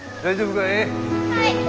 はい！